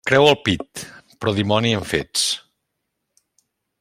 Creu al pit, però dimoni en fets.